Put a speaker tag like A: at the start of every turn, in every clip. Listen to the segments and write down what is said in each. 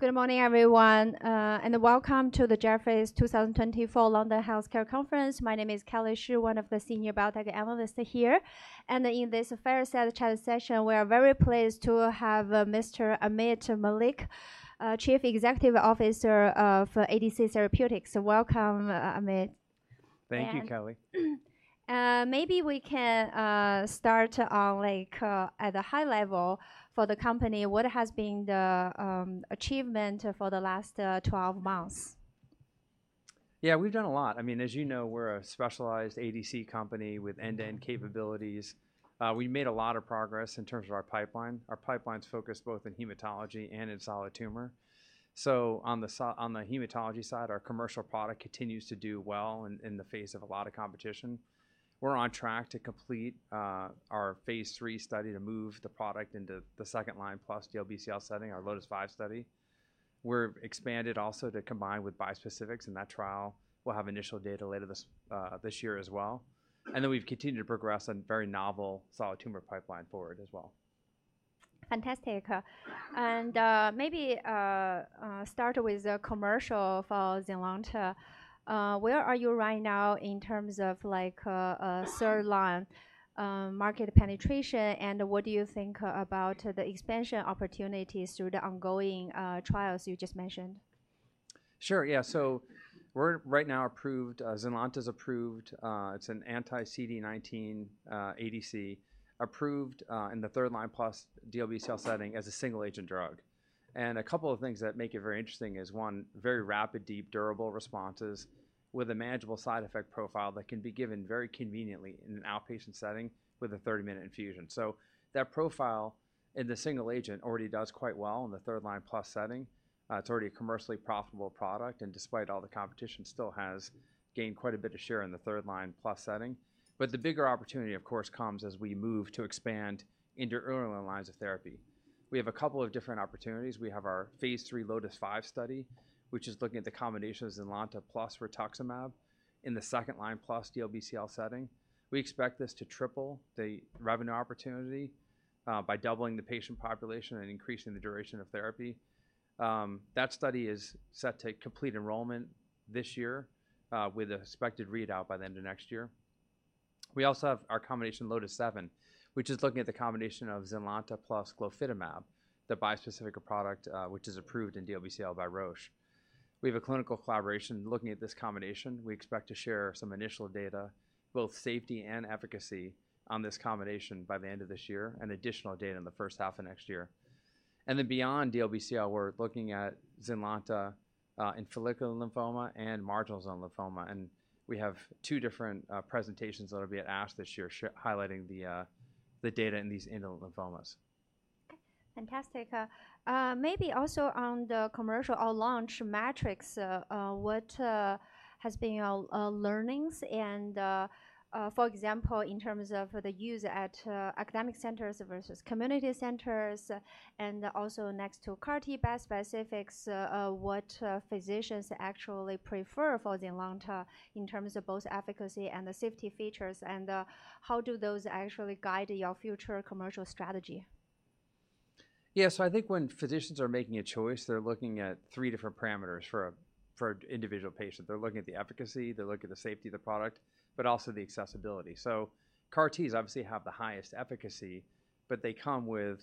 A: Good morning, everyone, and welcome to the Jefferies 2024 London Healthcare Conference. My name is Kelly Shi, one of the senior biotech analysts here. And in this fireside chat session, we are very pleased to have Mr. Ameet Mallik, Chief Executive Officer of ADC Therapeutics. Welcome, Ameet.
B: Thank you, Kelly.
A: Maybe we can start on, like, at a high level for the company, what has been the achievement for the last 12 months?
B: Yeah, we've done a lot. I mean, as you know, we're a specialized ADC company with end-to-end capabilities. We've made a lot of progress in terms of our pipeline. Our pipeline is focused both in hematology and in solid tumor. So on the hematology side, our commercial product continues to do well in the face of a lot of competition. We're on track to complete our phase three study to move the product into the second line plus DLBCL setting, our LOTIS-5 study. We're expanded also to combine with bispecifics, and that trial will have initial data later this year as well. And then we've continued to progress on very novel solid tumor pipeline forward as well.
A: Fantastic. And maybe start with the commercial for Zynlonta. Where are you right now in terms of, like, third line market penetration? And what do you think about the expansion opportunities through the ongoing trials you just mentioned?
B: Sure, yeah. So we're right now approved. Zynlonta's approved. It's an anti-CD19 ADC, approved in the third line plus DLBCL setting as a single-agent drug, and a couple of things that make it very interesting is, one, very rapid, deep, durable responses with a manageable side effect profile that can be given very conveniently in an outpatient setting with a 30-minute infusion, so that profile in the single agent already does quite well in the third line plus setting. It's already a commercially profitable product, and despite all the competition, still has gained quite a bit of share in the third line plus setting, but the bigger opportunity, of course, comes as we move to expand into earlier lines of therapy. We have a couple of different opportunities. We have our phase 3 LOTIS-5 study, which is looking at the combination of Zynlonta plus rituximab in the second line plus DLBCL setting. We expect this to triple the revenue opportunity by doubling the patient population and increasing the duration of therapy. That study is set to complete enrollment this year with a suspected readout by the end of next year. We also have our combination LOTIS-7, which is looking at the combination of Zynlonta plus glofitamab, the bispecific product which is approved in DLBCL by Roche. We have a clinical collaboration looking at this combination. We expect to share some initial data, both safety and efficacy, on this combination by the end of this year and additional data in the first half of next year, and then beyond DLBCL, we're looking at Zynlonta in follicular lymphoma and marginal zone lymphoma. We have two different presentations that will be at ASH this year highlighting the data in these indolent lymphomas.
A: Fantastic. Maybe also on the commercial or launch metrics, what has been your learnings? and, for example, in terms of the use at academic centers versus community centers, and also next to CAR-T bispecifics, what physicians actually prefer for Zynlonta in terms of both efficacy and the safety features? and how do those actually guide your future commercial strategy?
B: Yeah, so I think when physicians are making a choice, they're looking at three different parameters for an individual patient. They're looking at the efficacy, they're looking at the safety of the product, but also the accessibility. So CAR-Ts obviously have the highest efficacy, but they come with,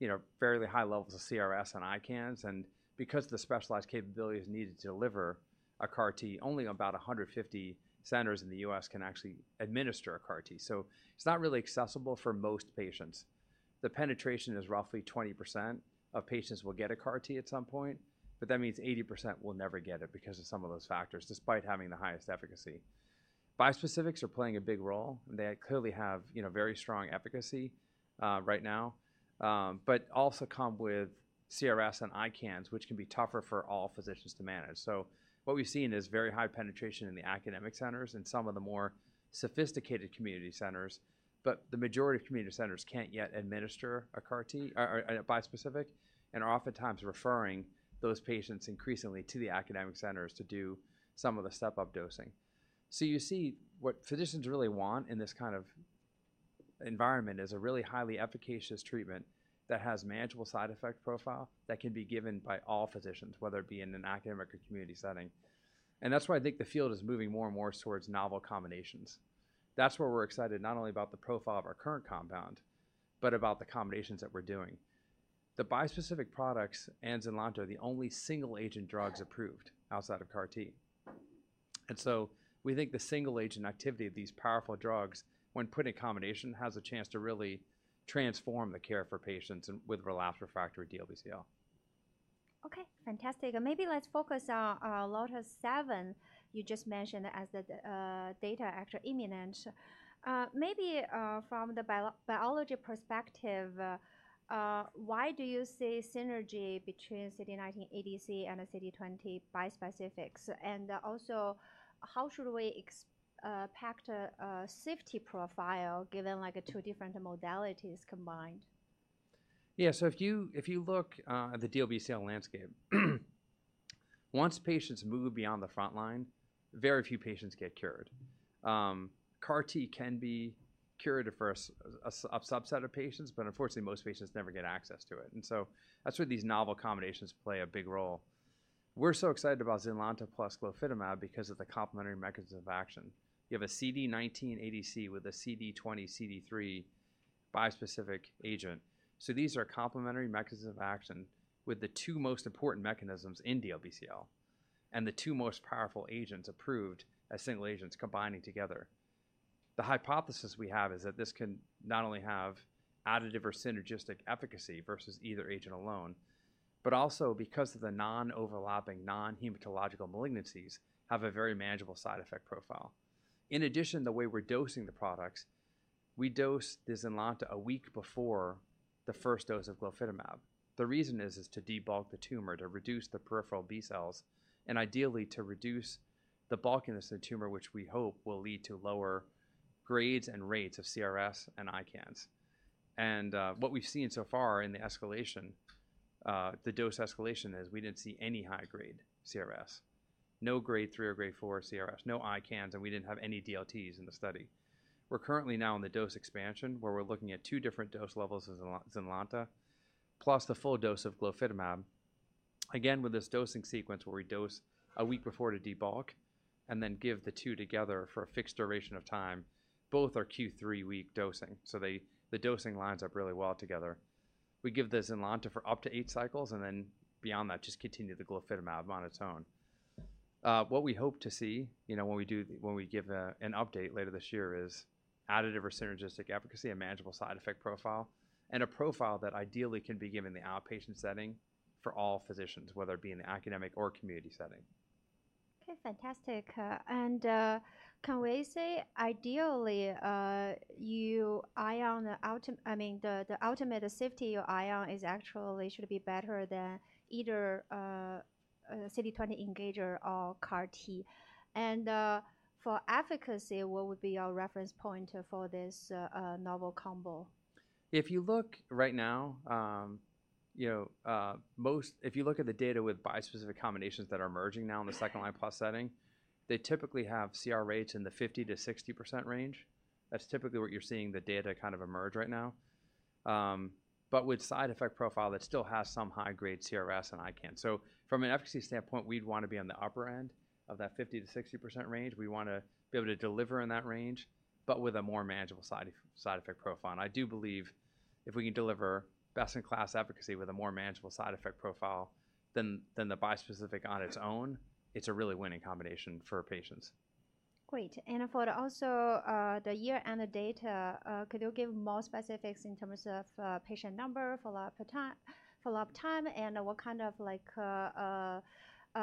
B: you know, fairly high levels of CRS and ICANS. And because of the specialized capabilities needed to deliver a CAR-T, only about 150 centers in the U.S. can actually administer a CAR-T. So it's not really accessible for most patients. The penetration is roughly 20% of patients will get a CAR-T at some point, but that means 80% will never get it because of some of those factors, despite having the highest efficacy. Bispecifics are playing a big role, and they clearly have, you know, very strong efficacy right now, but also come with CRS and ICANS, which can be tougher for all physicians to manage. So what we've seen is very high penetration in the academic centers and some of the more sophisticated community centers. But the majority of community centers can't yet administer a CAR-T or a bispecific and are oftentimes referring those patients increasingly to the academic centers to do some of the step-up dosing. So you see what physicians really want in this kind of environment is a really highly efficacious treatment that has a manageable side effect profile that can be given by all physicians, whether it be in an academic or community setting. And that's why I think the field is moving more and more towards novel combinations. That's where we're excited, not only about the profile of our current compound, but about the combinations that we're doing. The bispecific products and Zynlonta are the only single-agent drugs approved outside of CAR-T. And so we think the single-agent activity of these powerful drugs, when put in combination, has a chance to really transform the care for patients with relapse refractory DLBCL.
A: Okay, fantastic. Maybe let's focus on LOTIS-7 you just mentioned as the data actually imminent. Maybe from the biology perspective, why do you see synergy between CD19 ADC and CD20 bispecifics? And also, how should we expect a safety profile given, like, two different modalities combined?
B: Yeah, so if you look at the DLBCL landscape, once patients move beyond the front line, very few patients get cured. CAR-T can be curative for a subset of patients, but unfortunately, most patients never get access to it, and so that's where these novel combinations play a big role. We're so excited about Zynlonta plus Glofitamab because of the complementary mechanism of action. You have a CD19 ADC with a CD20, CD3 bispecific agent. So these are complementary mechanisms of action with the two most important mechanisms in DLBCL and the two most powerful agents approved as single agents combining together. The hypothesis we have is that this can not only have additive or synergistic efficacy versus either agent alone, but also, because of the non-overlapping, non-hematologic toxicities, have a very manageable side effect profile. In addition, the way we're dosing the products, we dose the Zynlonta a week before the first dose of Glofitamab. The reason is to debulk the tumor, to reduce the peripheral B cells, and ideally to reduce the bulkiness of the tumor, which we hope will lead to lower grades and rates of CRS and ICANS. And what we've seen so far in the escalation, the dose escalation, is we didn't see any high-grade CRS, no grade three or grade four CRS, no ICANS, and we didn't have any DLTs in the study. We're currently now in the dose expansion where we're looking at two different dose levels of Zynlonta plus the full dose of Glofitamab. Again, with this dosing sequence where we dose a week before to debulk and then give the two together for a fixed duration of time, both are Q3 week dosing. So the dosing lines up really well together. We give the Zynlonta for up to eight cycles, and then beyond that, just continue the Glofitamab on its own. What we hope to see, you know, when we give an update later this year is additive or synergistic efficacy, a manageable side effect profile, and a profile that ideally can be given in the outpatient setting for all physicians, whether it be in the academic or community setting.
A: Okay, fantastic. And can we say ideally you'd eye on the ultimate, I mean, the ultimate safety you'd eye on is actually should be better than either CD20 engager or CAR-T? And for efficacy, what would be your reference point for this novel combo?
B: If you look right now, you know, most if you look at the data with bispecific combinations that are emerging now in the second line plus setting, they typically have CR rates in the 50%-60% range. That's typically what you're seeing the data kind of emerge right now, but with side effect profile that still has some high-grade CRS and ICANS, so from an efficacy standpoint, we'd want to be on the upper end of that 50%-60% range. We want to be able to deliver in that range, but with a more manageable side effect profile, and I do believe if we can deliver best-in-class efficacy with a more manageable side effect profile than the bispecific on its own, it's a really winning combination for patients.
A: Great. And for also the year and the data, could you give more specifics in terms of patient number, follow-up time, and what kind of, like,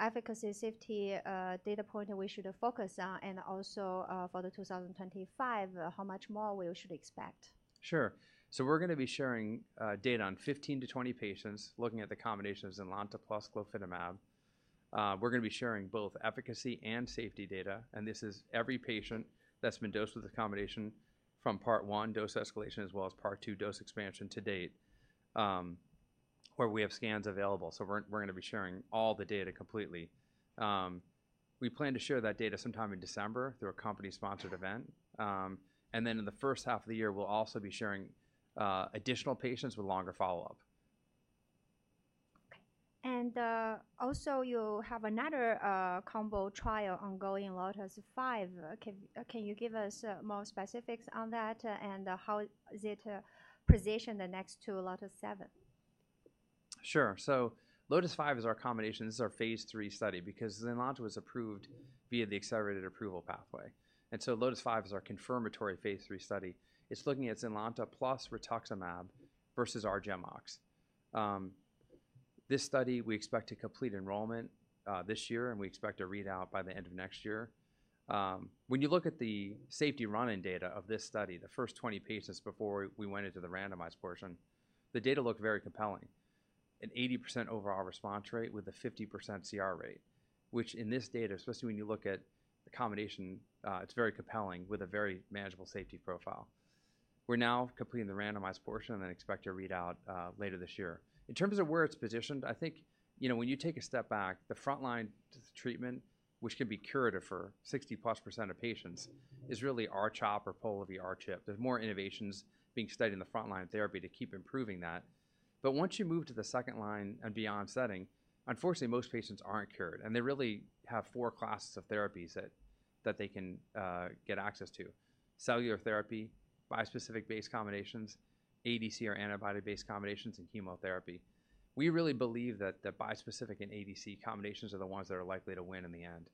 A: efficacy safety data point we should focus on? And also for the 2025, how much more we should expect?
B: Sure. So we're going to be sharing data on 15-20 patients looking at the combination of Zynlonta plus Glofitamab. We're going to be sharing both efficacy and safety data. And this is every patient that's been dosed with the combination from part one dose escalation as well as part two dose expansion to date, where we have scans available. So we're going to be sharing all the data completely. We plan to share that data sometime in December through a company-sponsored event. And then in the first half of the year, we'll also be sharing additional patients with longer follow-up.
A: And also you have another combo trial ongoing, LOTIS-7. Can you give us more specifics on that? And how is it positioned next to LOTIS-7?
B: Sure. So LOTIS-5 is our combination. This is our phase 3 study because Zynlonta was approved via the accelerated approval pathway. And so LOTIS-5 is our confirmatory phase 3 study. It's looking at Zynlonta plus Rituximab versus R-GemOx. This study, we expect to complete enrollment this year, and we expect a readout by the end of next year. When you look at the safety run-in data of this study, the first 20 patients before we went into the randomized portion, the data look very compelling. An 80% overall response rate with a 50% CR rate, which in this data, especially when you look at the combination, it's very compelling with a very manageable safety profile. We're now completing the randomized portion and then expect a readout later this year. In terms of where it's positioned, I think, you know, when you take a step back, the front-line treatment, which can be curative for 60% plus of patients, is really R-CHOP or Pola-R-CHP. There's more innovations being studied in the front-line therapy to keep improving that. But once you move to the second-line and beyond setting, unfortunately, most patients aren't cured. And they really have four classes of therapies that they can get access to: cellular therapy, bispecific-based combinations, ADC or antibody-based combinations, and chemotherapy. We really believe that the bispecific and ADC combinations are the ones that are likely to win in the end.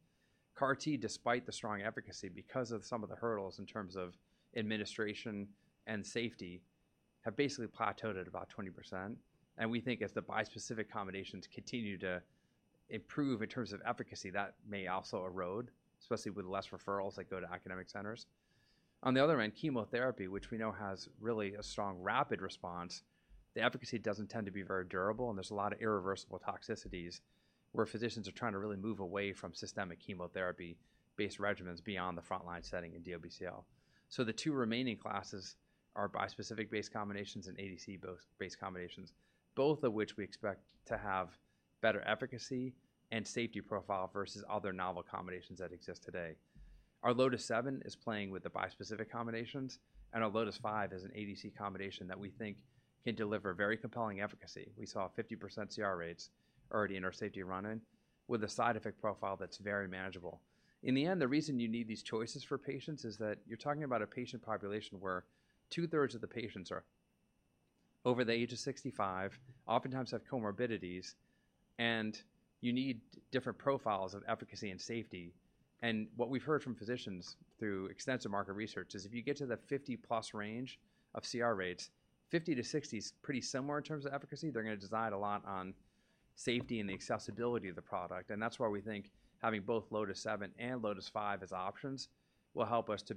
B: CAR-T, despite the strong efficacy because of some of the hurdles in terms of administration and safety, have basically plateaued at about 20%. We think if the bispecific combinations continue to improve in terms of efficacy, that may also erode, especially with less referrals that go to academic centers. On the other hand, chemotherapy, which we know has really a strong rapid response, the efficacy doesn't tend to be very durable, and there's a lot of irreversible toxicities where physicians are trying to really move away from systemic chemotherapy-based regimens beyond the front line setting in DLBCL. The two remaining classes are bispecific-based combinations and ADC-based combinations, both of which we expect to have better efficacy and safety profile versus other novel combinations that exist today. Our LOTIS-7 is playing with the bispecific combinations, and our LOTIS-5 is an ADC combination that we think can deliver very compelling efficacy. We saw 50% CR rates already in our safety run-in with a side effect profile that's very manageable. In the end, the reason you need these choices for patients is that you're talking about a patient population where two-thirds of the patients are over the age of 65, oftentimes have comorbidities, and you need different profiles of efficacy and safety. And what we've heard from physicians through extensive market research is if you get to the 50% plus range of CR rates, 50%-60% is pretty similar in terms of efficacy. They're going to decide a lot on safety and the accessibility of the product. And that's why we think having both LOTIS-7 and LOTIS-5 as options will help us to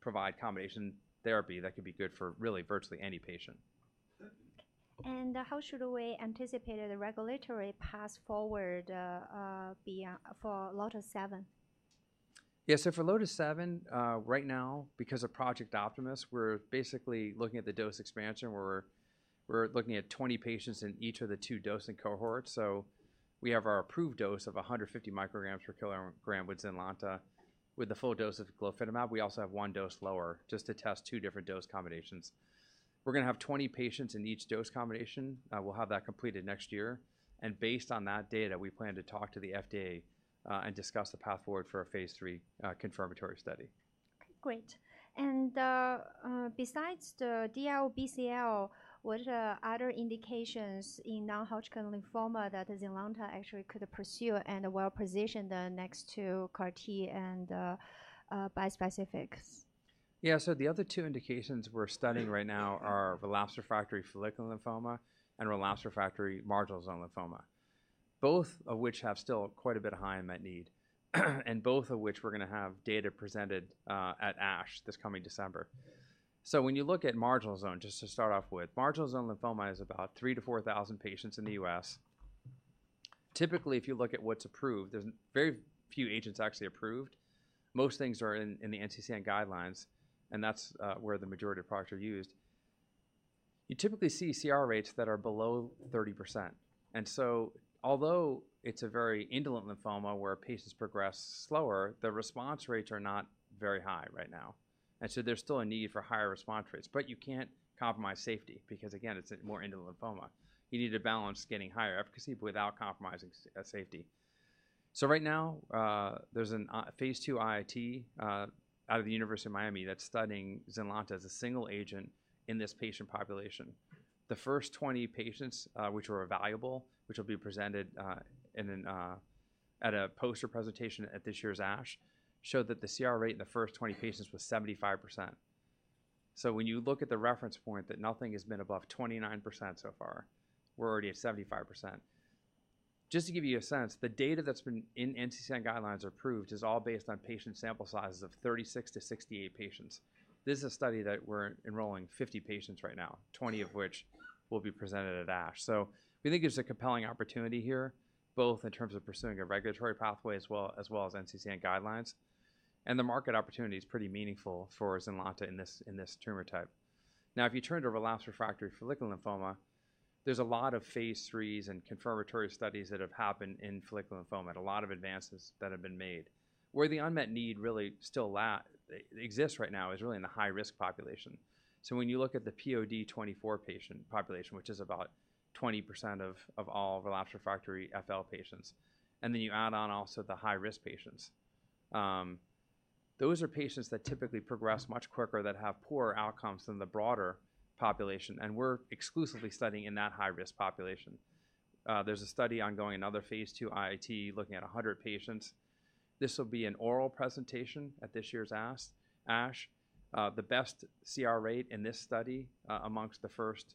B: provide combination therapy that can be good for really virtually any patient.
A: How should we anticipate the regulatory path forward for LOTIS-7?
B: Yeah, so for Lotus-7, right now, because of Project Optimus, we're basically looking at the dose expansion. We're looking at 20 patients in each of the two dosing cohorts. So we have our approved dose of 150 micrograms per kilogram with Zynlonta with the full dose of Glofitamab. We also have one dose lower just to test two different dose combinations. We're going to have 20 patients in each dose combination. We'll have that completed next year, and based on that data, we plan to talk to the FDA and discuss the path forward for a phase three confirmatory study.
A: Great. And besides the DLBCL, what are other indications in non-Hodgkin lymphoma that Zynlonta actually could pursue and well-position the next two CAR-T and bispecifics?
B: Yeah, so the other two indications we're studying right now are relapse refractory follicular lymphoma and relapse refractory marginal zone lymphoma, both of which have still quite a bit of high unmet need, and both of which we're going to have data presented at ASH this coming December. So when you look at marginal zone, just to start off with, marginal zone lymphoma is about 3,000-4,000 patients in the U.S. Typically, if you look at what's approved, there's very few agents actually approved. Most things are in the NCCN guidelines, and that's where the majority of products are used. You typically see CR rates that are below 30%. And so although it's a very indolent lymphoma where patients progress slower, the response rates are not very high right now. And so there's still a need for higher response rates. You can't compromise safety because, again, it's a more indolent lymphoma. You need to balance getting higher efficacy without compromising safety. So right now, there's a phase two IIT out of the University of Miami that's studying Zynlonta as a single agent in this patient population. The first 20 patients, which were evaluable, which will be presented at a poster presentation at this year's ASH, showed that the CR rate in the first 20 patients was 75%. So when you look at the reference point that nothing has been above 29% so far, we're already at 75%. Just to give you a sense, the data that's been in NCCN guidelines approved is all based on patient sample sizes of 36-68 patients. This is a study that we're enrolling 50 patients right now, 20 of which will be presented at ASH. We think there's a compelling opportunity here, both in terms of pursuing a regulatory pathway as well as NCCN guidelines. The market opportunity is pretty meaningful for Zynlonta in this tumor type. Now, if you turn to relapse refractory follicular lymphoma, there's a lot of phase 3s and confirmatory studies that have happened in follicular lymphoma and a lot of advances that have been made. Where the unmet need really still exists right now is really in the high-risk population. When you look at the POD24 patient population, which is about 20% of all relapse refractory FL patients, and then you add on also the high-risk patients, those are patients that typically progress much quicker, that have poorer outcomes than the broader population. We're exclusively studying in that high-risk population. There's a study ongoing in another phase 2 IIT looking at 100 patients. This will be an oral presentation at this year's ASH. The best CR rate in this study amongst the first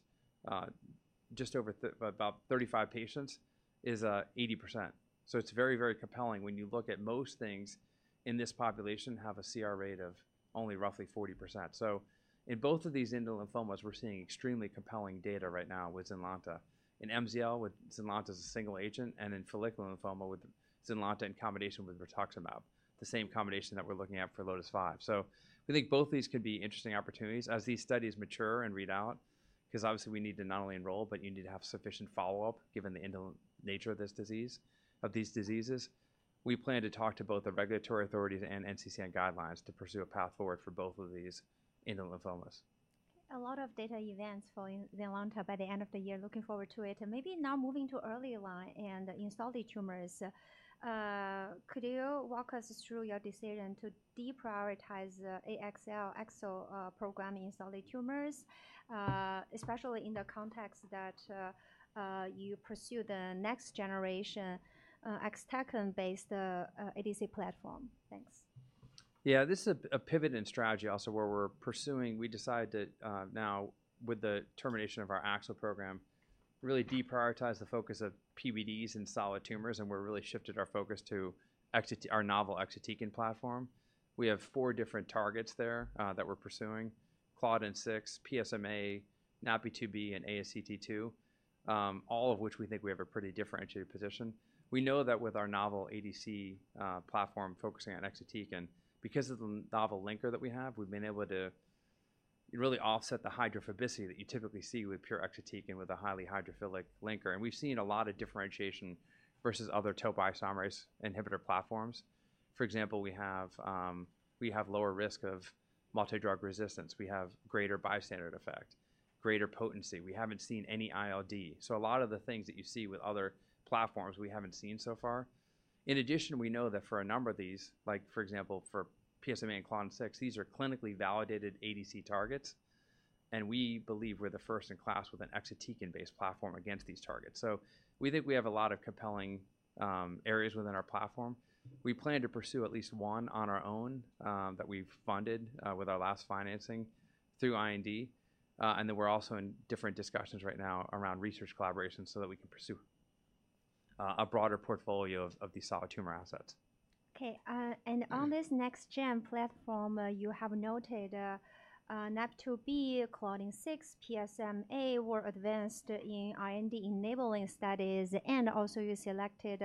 B: just over about 35 patients is 80%. So it's very, very compelling when you look at most things in this population have a CR rate of only roughly 40%. So in both of these indolent lymphomas, we're seeing extremely compelling data right now with Zynlonta in MZL, with Zynlonta as a single agent, and in follicular lymphoma with Zynlonta in combination with rituximab, the same combination that we're looking at for LOTIS-7. So we think both of these could be interesting opportunities as these studies mature and read out because obviously we need to not only enroll, but you need to have sufficient follow-up given the indolent nature of this disease, of these diseases. We plan to talk to both the regulatory authorities and NCCN guidelines to pursue a path forward for both of these indolent lymphomas.
A: A lot of data events for Zynlonta by the end of the year. Looking forward to it, and maybe now moving to earlier line and solid tumors. Could you walk us through your decision to deprioritize AXL, ASCT2 programming in solid tumors, especially in the context that you pursue the next generation exatecan-based ADC platform? Thanks.
B: Yeah, this is a pivot in strategy also where we're pursuing. We decided that now, with the termination of our AXL program, really deprioritize the focus of PBDs and solid tumors. And we're really shifted our focus to our novel exatecan platform. We have four different targets there that we're pursuing: claudin-6, PSMA, NaPi2b, and ASCT2, all of which we think we have a pretty differentiated position. We know that with our novel ADC platform focusing on exatecan, because of the novel linker that we have, we've been able to really offset the hydrophobicity that you typically see with pure exatecan with a highly hydrophilic linker. And we've seen a lot of differentiation versus other topoisomerase I inhibitor platforms. For example, we have lower risk of multidrug resistance. We have greater bystander effect, greater potency. We haven't seen any ILD. A lot of the things that you see with other platforms, we haven't seen so far. In addition, we know that for a number of these, like for example, for PSMA and claudin-6, these are clinically validated ADC targets. And we believe we're the first in class with an exatecan-based platform against these targets. We think we have a lot of compelling areas within our platform. We plan to pursue at least one on our own that we've funded with our last financing through IND. And then we're also in different discussions right now around research collaboration so that we can pursue a broader portfolio of these solid tumor assets.
A: Okay. And on this next gen platform, you have noted NaPi2b, Claudin-6, PSMA, were advanced in IND enabling studies, and also you selected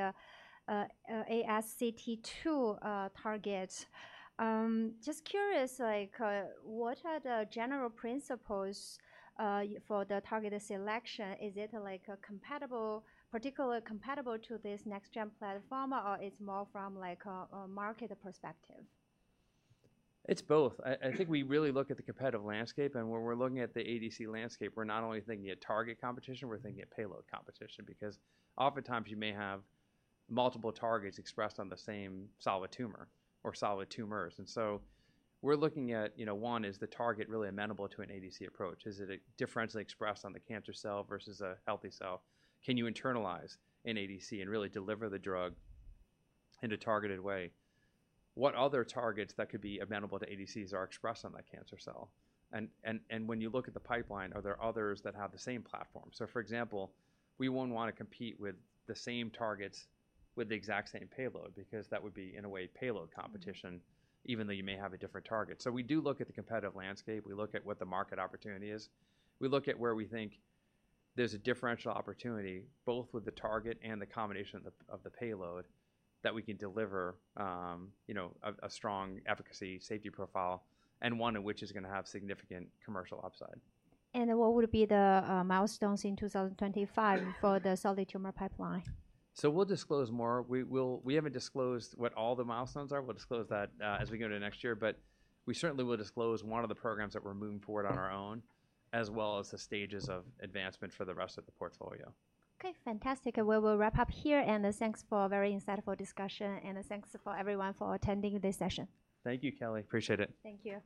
A: ASCT2 targets. Just curious, what are the general principles for the target selection? Is it particularly compatible to this next gen platform, or it's more from a market perspective?
B: It's both. I think we really look at the competitive landscape. And when we're looking at the ADC landscape, we're not only thinking of target competition, we're thinking of payload competition because oftentimes you may have multiple targets expressed on the same solid tumor or solid tumors. And so we're looking at, you know, one is the target really amenable to an ADC approach. Is it differentially expressed on the cancer cell versus a healthy cell? Can you internalize an ADC and really deliver the drug in a targeted way? What other targets that could be amenable to ADCs are expressed on that cancer cell? And when you look at the pipeline, are there others that have the same platform? So for example, we wouldn't want to compete with the same targets with the exact same payload because that would be, in a way, payload competition, even though you may have a different target. So we do look at the competitive landscape. We look at what the market opportunity is. We look at where we think there's a differential opportunity both with the target and the combination of the payload that we can deliver, you know, a strong efficacy safety profile and one in which is going to have significant commercial upside.
A: What would be the milestones in 2025 for the solid tumor pipeline?
B: So we'll disclose more. We haven't disclosed what all the milestones are. We'll disclose that as we go into next year. But we certainly will disclose one of the programs that we're moving forward on our own, as well as the stages of advancement for the rest of the portfolio.
A: Okay, fantastic. We will wrap up here. And thanks for a very insightful discussion. And thanks for everyone for attending this session.
B: Thank you, Kelly. Appreciate it.
A: Thank you.